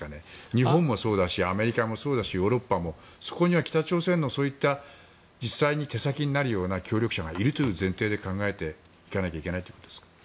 日本もそうだしアメリカもそうだしヨーロッパもそこには北朝鮮のそういった実際に手先になるような協力者がいるという前提で考えていかなければいけないということですか。